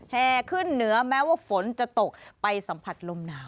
แห่ขึ้นเหนือแม้ว่าฝนจะตกไปสัมผัสลมหนาว